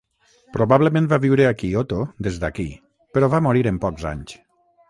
Probablement va viure a Kyoto des d'aquí, però va morir en pocs anys.